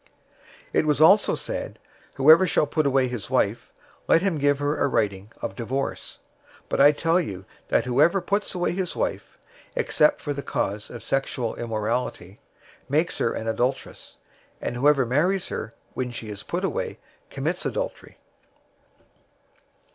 {or, Hell} 005:031 "It was also said, 'Whoever shall put away his wife, let him give her a writing of divorce,'{Deuteronomy 24:1} 005:032 but I tell you that whoever puts away his wife, except for the cause of sexual immorality, makes her an adulteress; and whoever marries her when she is put away commits adultery.